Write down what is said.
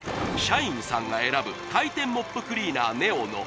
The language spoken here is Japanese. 社員さんが選ぶ回転モップクリーナーＮｅｏの